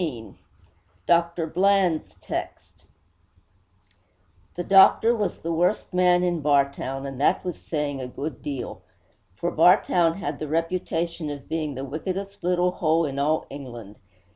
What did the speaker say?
XIII DOCTOR BLUND'S TEXT I The doctor was the worst man in Bartown, and that was saying a good deal. For Bartown had the reputation of being 'the wickedest little hole in all England.'